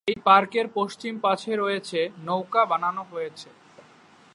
এই পার্কের পশ্চিম পাশে রয়েছে নৌকা বানানো হয়েছে।